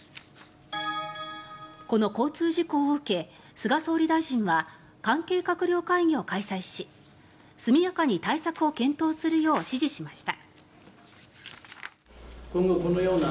この交通事故を受け菅総理大臣は関係閣僚会議を開催し速やかに対策を検討するよう指示しました。